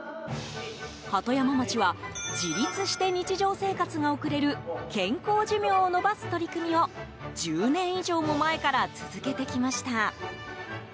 鳩山町は自立して日常生活が送れる健康寿命を延ばす取り組みを１０年以上も前から続けてきました。